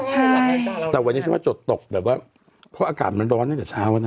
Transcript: ใช่แต่วันนี้ใช่ว่าจดตกแบบว่าเพราะอากาศมันร้อนแค่เช้านะ